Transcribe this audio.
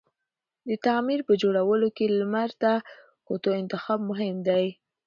د تعمير په جوړولو کی لمر ته کوتو انتخاب مهم دی